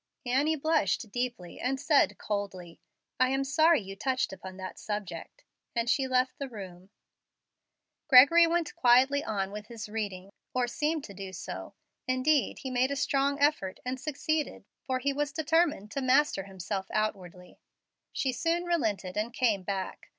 Annie blushed deeply, and said, coldly, "I am sorry you touched upon that subject," and she left the room. Gregory went quietly on with his reading, or seemed to do so. Indeed, he made a strong effort, and succeeded, for he was determined to master himself outwardly. She soon relented and came back.